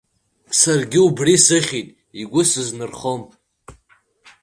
Саргьы убри сыхьит игәы сызнырхом.